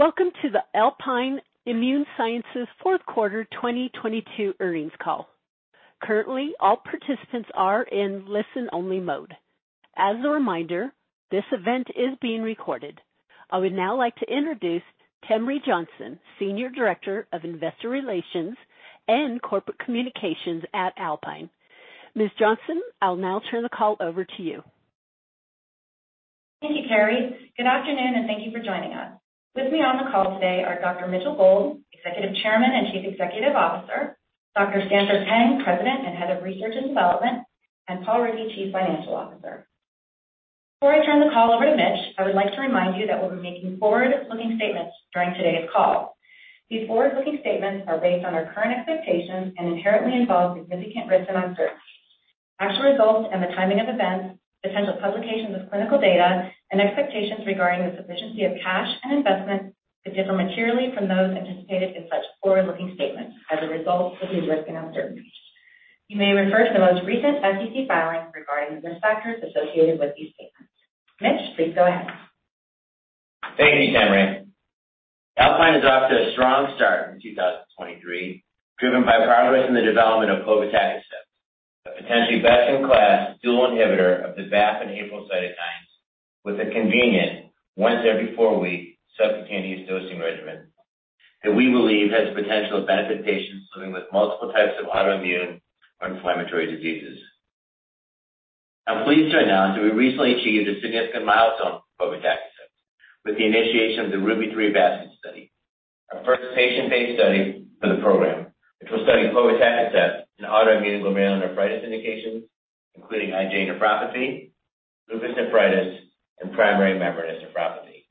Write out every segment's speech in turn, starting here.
Welcome to the Alpine Immune Sciences fourth quarter 2022 earnings call. Currently, all participants are in listen-only mode. As a reminder, this event is being recorded. I would now like to introduce Temre Johnson, Senior Director of Investor Relations and Corporate Communications at Alpine. Ms. Johnson, I'll now turn the call over to you. Thank you, Carrie. Good afternoon, thank you for joining us. With me on the call today are Dr. Mitchell Gold, Executive Chairman and Chief Executive Officer, Dr. Stanford Peng, President and Head of Research and Development, and Paul Rickey, Chief Financial Officer. Before I turn the call over to Mitch, I would like to remind you that we'll be making forward-looking statements during today's call. These forward-looking statements are based on our current expectations and inherently involve significant risks and uncertainties. Actual results and the timing of events, potential publications of clinical data, and expectations regarding the sufficiency of cash and investments could differ materially from those anticipated in such forward-looking statements as a result of these risks and uncertainties. You may refer to the most recent SEC filings regarding the risk factors associated with these statements. Mitch, please go ahead. Thank you, Temre. Alpine is off to a strong start in 2023, driven by progress in the development of povetacicept, a potentially best-in-class dual inhibitor of the BAFF and APRIL cytokines with a convenient once every four week subcutaneous dosing regimen that we believe has the potential to benefit patients living with multiple types of autoimmune or inflammatory diseases. I'm pleased to announce that we recently achieved a significant milestone for povetacicept with the initiation of the RUBY-3 basket study. Our first patient-based study for the program, which will study povetacicept in autoimmune glomerulonephritis indications, including IgA nephropathy, lupus nephritis, and primary membranous nephropathy.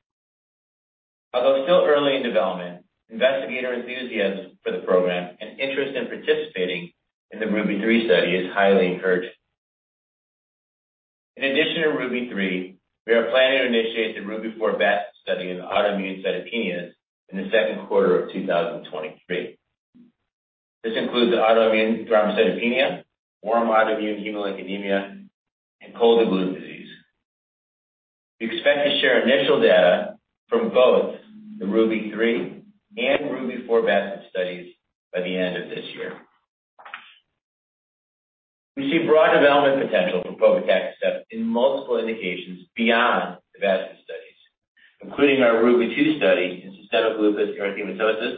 Still early in development, investigator enthusiasm for the program and interest in participating in the RUBY-3 study is highly encouraging. In addition to RUBY-3, we are planning to initiate the RUBY-4 basket study in autoimmune cytopenias in the second quarter of 2023. This includes the autoimmune thrombocytopenia, warm autoimmune hemolytic anemia, and cold agglutinin disease. We expect to share initial data from both the RUBY-3 and RUBY-4 basket studies by the end of this year. We see broad development potential for povetacicept in multiple indications beyond the basket studies, including our RUBY-2 study in systemic lupus erythematosus,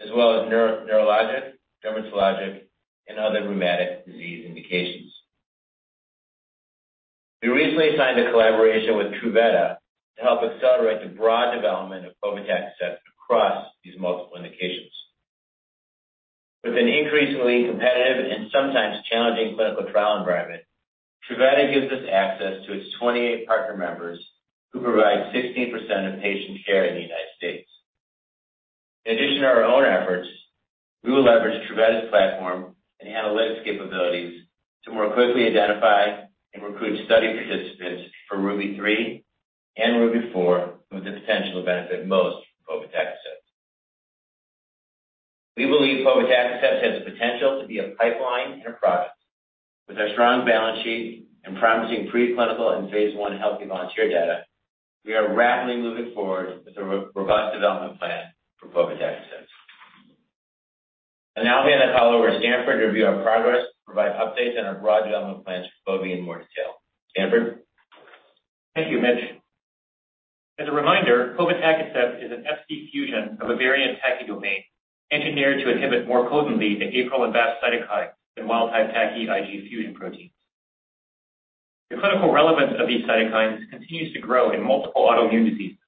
as well as neurologic, dermatologic, and other rheumatic disease indications. We recently signed a collaboration with Truveta to help accelerate the broad development of povetacicept across these multiple indications. With an increasingly competitive and sometimes challenging clinical trial environment, Truveta gives us access to its 28 partner members who provide 16% of patient care in the United States. In addition to our own efforts, we will leverage Truveta's platform and analytics capabilities to more quickly identify and recruit study participants for RUBY-3 and RUBY-4 who have the potential to benefit most from povetacicept. We believe povetacicept has the potential to be a pipeline and a product. With our strong balance sheet and promising preclinical and phase I healthy volunteer data, we are rapidly moving forward with a robust development plan for povetacicept. I'll now hand the call over to Stanford to review our progress, provide updates on our broad development plans for pove in more detail. Stanford. Thank you, Mitch. As a reminder, povetacicept is an Fc fusion of a variant TACI domain engineered to inhibit more potently the APRIL and BAFF cytokine than wild type TACI-Fc fusion proteins. The clinical relevance of these cytokines continues to grow in multiple autoimmune diseases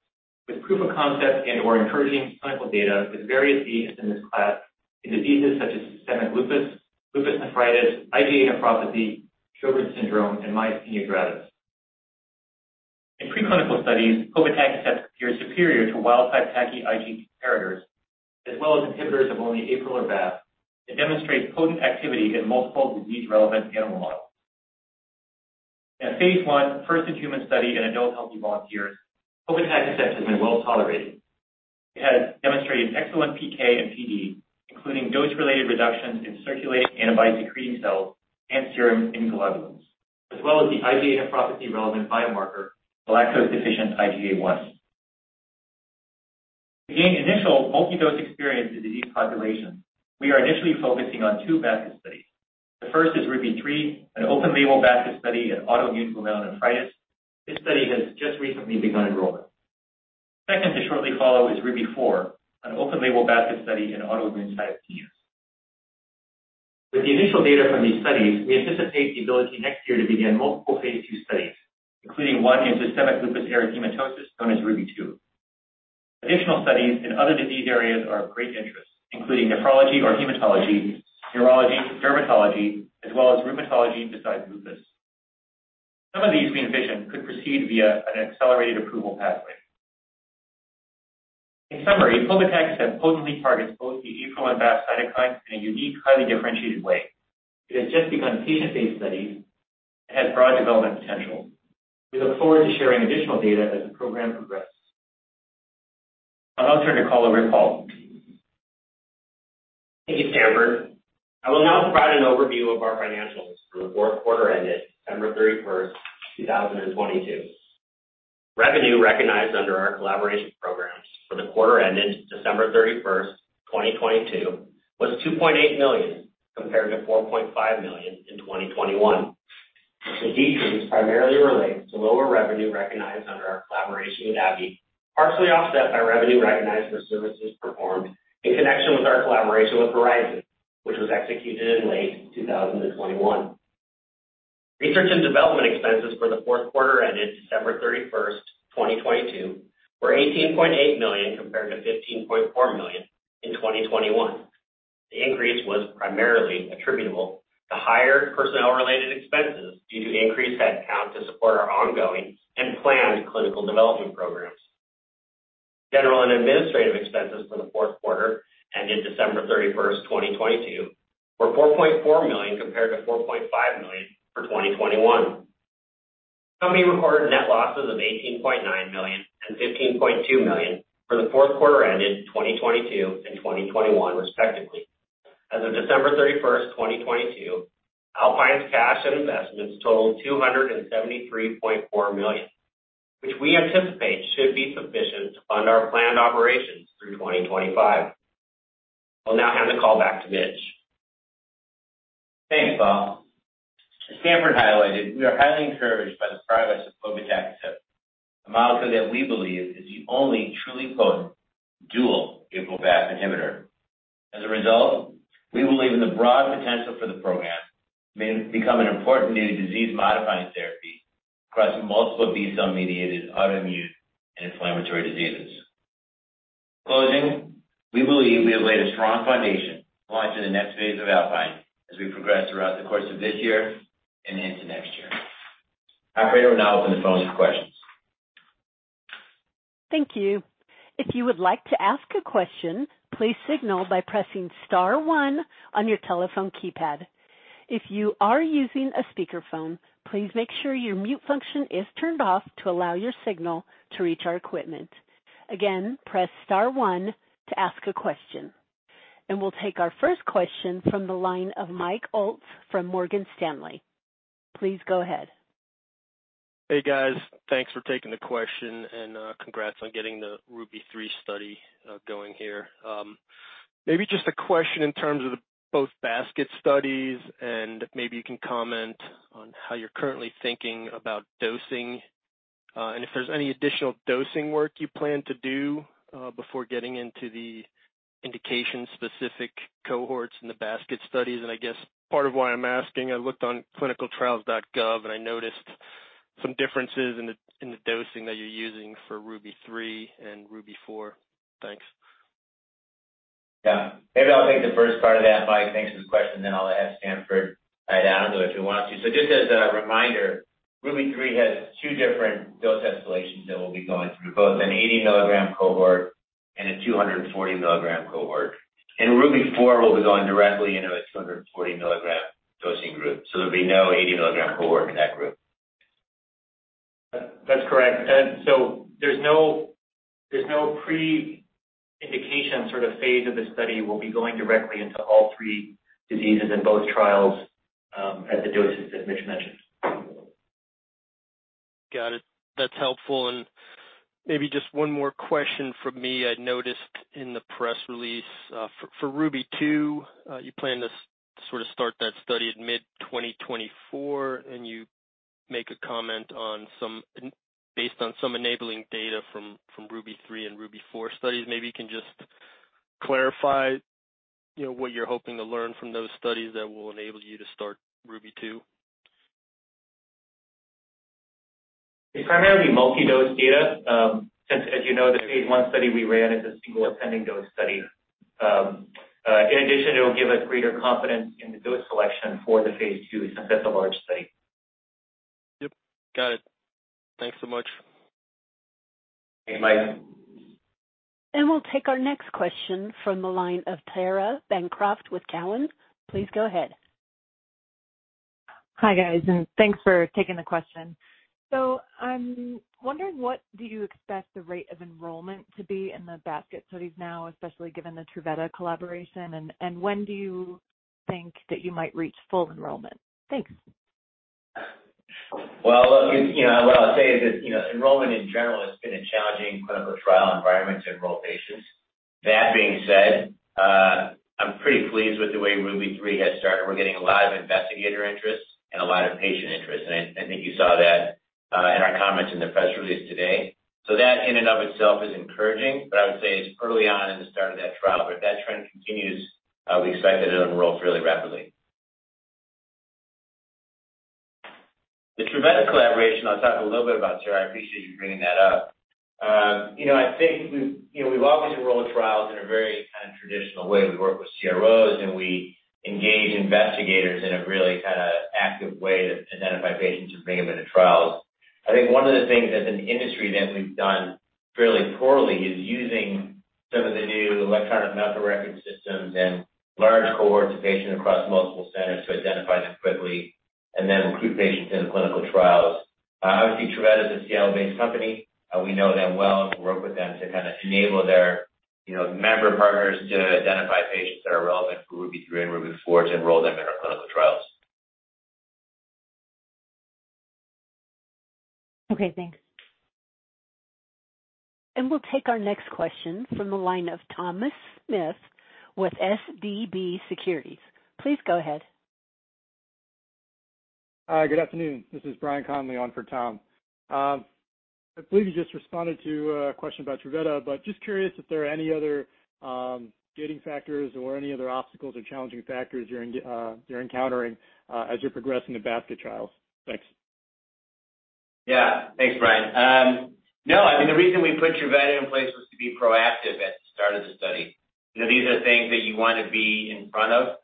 with proof of concept and/or encouraging clinical data with various diseases in this class in diseases such as systemic lupus nephritis, IgA nephropathy, Sjögren's syndrome, and myasthenia gravis. In preclinical studies, povetacicept appears superior to wild type TACI-Fc comparators as well as inhibitors of only APRIL or BAFF and demonstrates potent activity in multiple disease-relevant animal models. In a phase I first-in-human study in adult healthy volunteers, povetacicept has been well-tolerated. It has demonstrated excellent PK and PD, including dose-related reductions in circulating antibody-secreting cells and serum immunoglobulins, as well as the IgA nephropathy relevant biomarker galactose-deficient IgA1. To gain initial multi-dose experience in disease populations, we are initially focusing on two basket studies. The first is RUBY-3, an open-label basket study in autoimmune glomerulonephritis. This study has just recently begun enrollment. Second to shortly follow is RUBY-4, an open-label basket study in autoimmune cytopenias. With the initial data from these studies, we anticipate the ability next year to begin multiple phase II studies, including one in systemic lupus erythematosus known as RUBY-2. Additional studies in other disease areas are of great interest, including nephrology or hematology, neurology, dermatology, as well as rheumatology besides lupus. Some of these, we envision, could proceed via an accelerated approval pathway. In summary, povetacicept potently targets both the APRIL and BAFF cytokines in a unique, highly differentiated way. It has just begun patient-based studies and has broad development potential. We look forward to sharing additional data as the program progresses. I'll now turn the call over to Paul. Thank you, Stanford. I will now provide an overview of our financials for the fourth quarter ended December 31st, 2022. Revenue recognized under our collaboration programs for the quarter ended December 31st, 2022 was $2.8 million compared to $4.5 million in 2021. The decrease primarily relates to lower revenue recognized under our collaboration with AbbVie, partially offset by revenue recognized for services performed in connection with our collaboration with Verizon, which was executed in late 2021. Research and development expenses for the fourth quarter ended December 31st, 2022 were $18.8 million compared to $15.4 million in 2021. The increase was primarily attributable to higher personnel-related expenses due to increased headcount to support our ongoing and planned clinical development programs. General and administrative expenses for the fourth quarter ended December 31st, 2022, were $4.4 million compared to $4.5 million for 2021. Company recorded net losses of $18.9 million and $15.2 million for the fourth quarter ended 2022 and 2021, respectively. As of December 31st, 2022, Alpine's cash and investments totaled $273.4 million, which we anticipate should be sufficient to fund our planned operations through 2025. I'll now hand the call back to Mitch. Thanks, Stanford. As Stanford highlighted, we are highly encouraged by the progress of povetacicept, a molecule that we believe is the only truly potent dual Apaf-1 inhibitor. As a result, we believe in the broad potential for the program may become an important new disease-modifying therapy across multiple B-cell mediated autoimmune and inflammatory diseases. In closing, we believe we have laid a strong foundation going to the next phase of Alpine as we progress throughout the course of this year and into next year. Operator, we'll now open the phone to questions. Thank you. If you would like to ask a question, please signal by pressing star one on your telephone keypad. If you are using a speakerphone, please make sure your mute function is turned off to allow your signal to reach our equipment. Again, press star one to ask a question. We'll take our first question from the line of Mike Ulz from Morgan Stanley. Please go ahead. Hey, guys. Thanks for taking the question and congrats on getting the RUBY-3 study going here. Maybe just a question in terms of the both basket studies, and maybe you can comment on how you're currently thinking about dosing, and if there's any additional dosing work you plan to do before getting into the indication-specific cohorts in the basket studies. I guess part of why I'm asking, I looked on ClinicalTrials.gov and I noticed some differences in the, in the dosing that you're using for RUBY-3 and RUBY-4. Thanks. Yeah. Maybe I'll take the first part of that, Mike. Thanks for the question, then I'll ask Stanford to dive down into it if you want to. Just as a reminder, RUBY-3 has two different dose escalations that we'll be going through, both an 80-milligram cohort and a 240-milligram cohort. RUBY-4 will be going directly into a 240-milligram dosing group. There'll be no 80-milligram cohort in that group. That's correct. There's no, there's no pre-indication sort of phase of the study. We'll be going directly into all three diseases in both trials, at the doses that Mitch mentioned. Got it. That's helpful. Maybe just one more question from me. I noticed in the press release, for RUBY-2, you plan to sort of start that study in mid-2024, and you make a comment on some enabling data from RUBY-3 and RUBY-4 studies. Maybe you can just clarify, you know, what you're hoping to learn from those studies that will enable you to start RUBY-2. It's primarily multi-dose data. Since as you know, the phase I study we ran is a single ascending dose study. In addition, it will give us greater confidence in the dose selection for the phase II since that's a large study. Yep. Got it. Thanks so much. Thanks, Mike. We'll take our next question from the line of Tara Bancroft with Cowen. Please go ahead. Hi, guys, and thanks for taking the question. I'm wondering what do you expect the rate of enrollment to be in the basket studies now, especially given the Truveta collaboration, and when do you think that you might reach full enrollment? Thanks. Well, you know, what I'll say is that, you know, enrollment in general has been a challenging clinical trial environment to enroll patients. That being said, I'm pretty pleased with the way RUBY-3 has started. We're getting a lot of investigator interest and a lot of patient interest. I think you saw that in our comments in the press release today. That in and of itself is encouraging. I would say it's early on in the start of that trial. If that trend continues, I'll be excited to enroll fairly rapidly. The Truveta collaboration, I'll talk a little bit about, Tara. I appreciate you bringing that up. You know, I think we've, you know, we've always enrolled trials in a very kind of traditional way. We work with CROs, and we engage investigators in a really kinda active way to identify patients and bring them into trials. I think one of the things as an industry that we've done fairly poorly is using some of the new electronic medical record systems and large cohorts of patients across multiple centers to identify them quickly and then recruit patients into clinical trials. Obviously, Truveta is a Seattle-based company. We know them well and work with them to kinda enable their, you know, member partners to identify patients that are relevant for RUBY-3 and RUBY-4 to enroll them in our clinical trials. Okay, thanks. We'll take our next question from the line of Thomas Smith with SVB Securities. Please go ahead. Hi. Good afternoon. This is Brian Connelly on for Tom. I believe you just responded to a question about Truveta. Just curious if there are any other gating factors or any other obstacles or challenging factors you're encountering as you're progressing the basket trials. Thanks. Yeah. Thanks, Brian. No, I mean, the reason we put Truveta in place was to be proactive at the start of the study. You know, these are things that you wanna be in front of.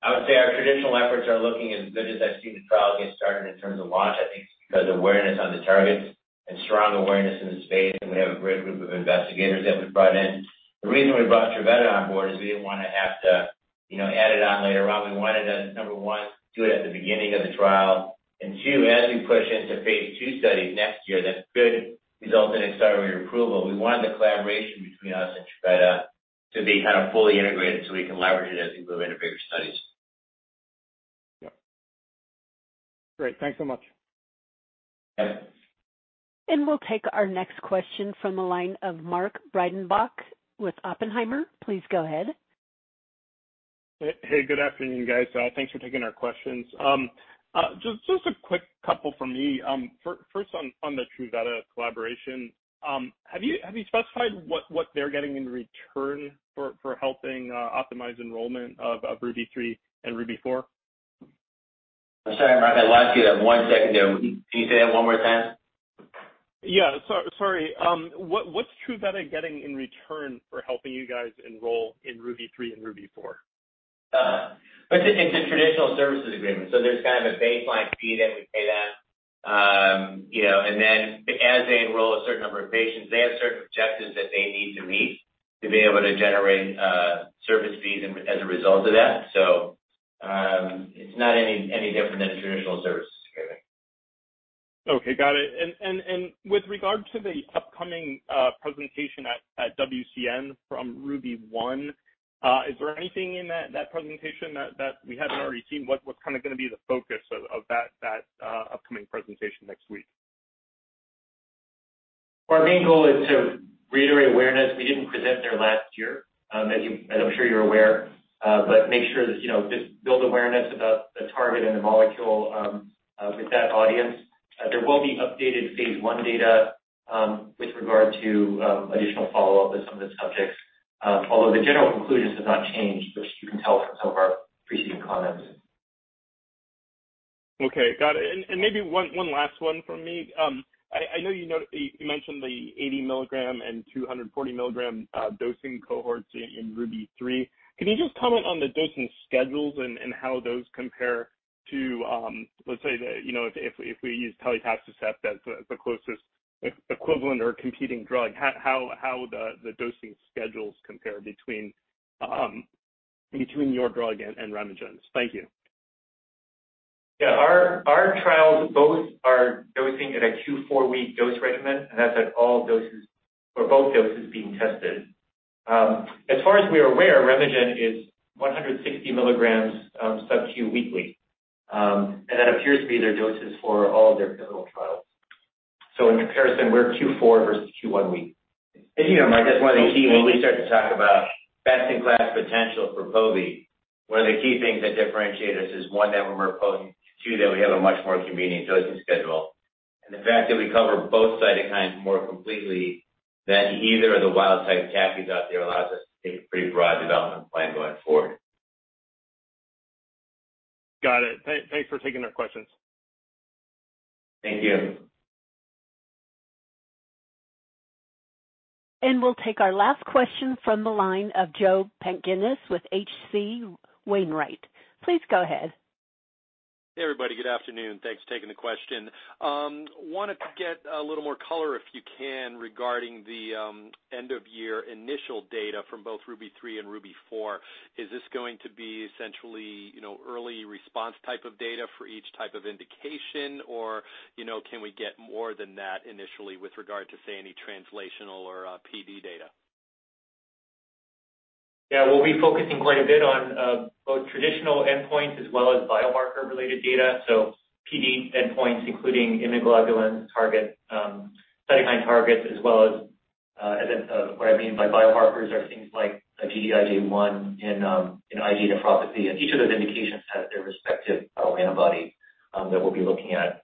I would say our traditional efforts are looking as good as I've seen the trial get started in terms of launch, I think because awareness on the targets and strong awareness in the space, and we have a great group of investigators that we've brought in. The reason we brought Truveta on board is we didn't wanna have to, you know, add it on later on. We wanted to, number one, do it at the beginning of the trial, and two, as we push into phase two studies next year, that could result in accelerated approval. We wanted the collaboration between us and Truveta to be kind of fully integrated, so we can leverage it as we move into bigger studies. Yeah. Great. Thanks so much. Yes. We'll take our next question from the line of Mark Breidenbach with Oppenheimer. Please go ahead. Hey. Good afternoon, guys. Thanks for taking our questions. Just a quick couple from me. First on the Truveta collaboration, have you specified what they're getting in return for helping optimize enrollment of RUBY-3 and RUBY-4? I'm sorry, Mark. I lost you at one second there. Can you say that one more time? Yeah. Sorry. What's Truveta getting in return for helping you guys enroll in RUBY-3 and RUBY-4? It's a traditional services agreement. There's kind of a baseline fee that we pay them. You know, as they enroll a certain number of patients, they have certain objectives that they need to meet to be able to generate service fees and as a result of that. It's not any different than traditional services agreement. Okay. Got it. With regard to the upcoming presentation at WCN from RUBY-1, is there anything in that presentation that we haven't already seen? What's kinda gonna be the focus of that upcoming presentation next week? Our main goal is to reiterate awareness. We didn't present there last year, as you, as I'm sure you're aware, but make sure that, you know, just build awareness about the target and the molecule with that audience. There will be updated phase I data with regard to additional follow-up with some of the subjects. Although the general conclusions have not changed, which you can tell from some of our preceding comments. Okay. Got it. maybe one last one from me. I know you know, you mentioned the 80 milligram and 240 milligram dosing cohorts in RUBY-3. Can you just comment on the dosing schedules and how those compare to, let's say the, you know, if we use telitacicept as the closest equivalent or competing drug, how the dosing schedules compare between your drug and RemeGen's? Thank you. Yeah. Our trials both are dosing at a Q4 week dose regimen, and that's at all doses or both doses being tested. As far as we're aware, RemeGen is 160 milligrams subQ weekly, and that appears to be their doses for all of their clinical trials. In comparison, we're Q4 versus Q1 week. You know, Mark, that's one of the key when we start to talk about best-in-class potential for pove, one of the key things that differentiate us is, one, that we're merpone. Two, that we have a much more convenient dosing schedule. The fact that we cover both cytokines more completely than either of the wild type TACI-Fcs out there allows us to take a pretty broad development plan going forward. Got it. Thanks for taking the questions. Thank you. We'll take our last question from the line of Joe Pantginis with H.C. Wainwright. Please go ahead. Hey, everybody. Good afternoon. Thanks for taking the question. Wanted to get a little more color, if you can, regarding the end of year initial data from both RUBY-3 and RUBY-4. Is this going to be essentially, you know, early response type of data for each type of indication? You know, can we get more than that initially with regard to, say, any translational or PD data? Yeah. We'll be focusing quite a bit on both traditional endpoints as well as biomarker related data. PD endpoints, including immunoglobulin target, cytokine targets, as well as and then what I mean by biomarkers are things like Gd-IgA1 and, you know, IgA nephropathy. Each of those indications has their respective antibody that we'll be looking at.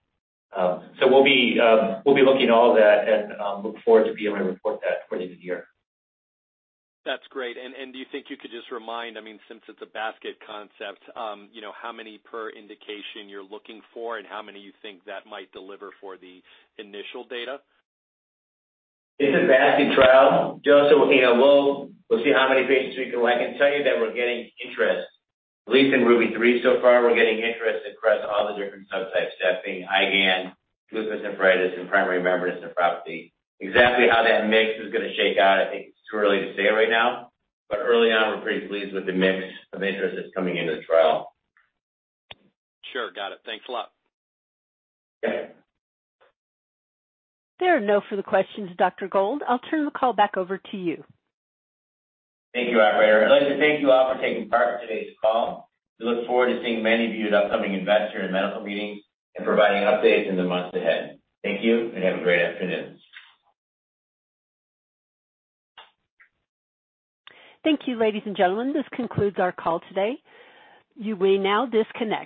We'll be looking at all that and look forward to being able to report that for end of year. That's great. Do you think you could just remind, I mean, since it's a basket concept, you know, how many per indication you're looking for and how many you think that might deliver for the initial data? It's a basket trial. Joe, so, you know, we'll see how many patients we can... I can tell you that we're getting interest. At least in RUBY-3 so far, we're getting interest across all the different subtypes testing, IGAN, lupus nephritis, and primary membranous nephropathy. Exactly how that mix is gonna shake out, I think it's too early to say right now, but early on we're pretty pleased with the mix of interest that's coming into the trial. Sure. Got it. Thanks a lot. Yeah. There are no further questions, Dr. Gold. I'll turn the call back over to you. Thank you, operator. I'd like to thank you all for taking part in today's call. We look forward to seeing many of you at upcoming investor and medical meetings and providing updates in the months ahead. Thank you, and have a great afternoon. Thank you, ladies and gentlemen. This concludes our call today. You may now disconnect.